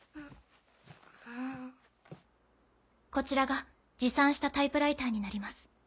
こちらが持参したタイプライターになります。